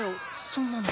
そんなの。